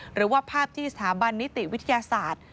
หรือว่าภาพที่สถาบันนิติวิทยาศาสตร์